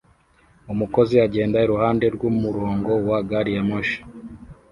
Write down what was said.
Umukozi agenda iruhande rw'umurongo wa gari ya moshi